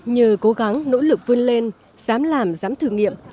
nhờ cố gắng nỗ lực vươn lên dám làm dám thử nghiệm